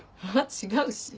違うし。